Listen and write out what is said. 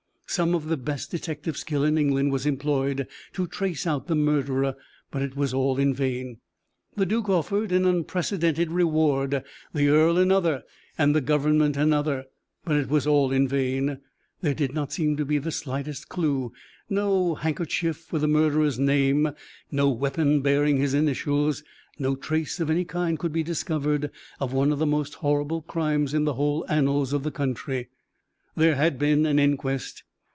Some of the best detective skill in England was employed to trace out the murderer; but it was all in vain. The duke offered an unprecedented reward, the earl another, and government another; but it was all in vain; there did not seem to be the slightest clew no handkerchief with the murderer's name, no weapon bearing his initials, no trace of any kind could be discovered of one of the most horrible crimes in the whole annals of the country. There had been an inquest.